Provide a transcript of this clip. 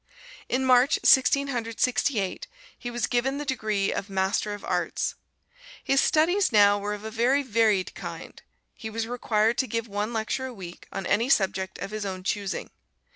In March, Sixteen Hundred Sixty eight, he was given the degree of Master of Arts. His studies now were of a very varied kind. He was required to give one lecture a week on any subject of his own choosing.